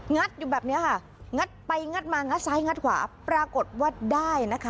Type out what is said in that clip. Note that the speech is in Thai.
อยู่แบบเนี้ยค่ะงัดไปงัดมางัดซ้ายงัดขวาปรากฏว่าได้นะคะ